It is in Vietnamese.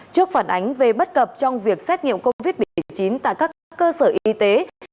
trước phản ánh về bất cập trong việc xét nghiệm covid một mươi chín tại các cơ sở y tế